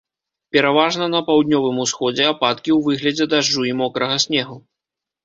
Пераважна па паўднёвым усходзе ападкі ў выглядзе дажджу і мокрага снегу.